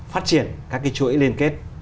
phát triển các chuỗi liên kết